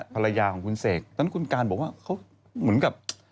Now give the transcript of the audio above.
ภรรยาของคุณเสกนั้นคุณการบอกว่าเขาเหมือนกับ